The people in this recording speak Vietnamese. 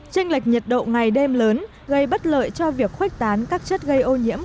tranh lệch nhiệt độ ngày đêm lớn gây bất lợi cho việc khuếch tán các chất gây ô nhiễm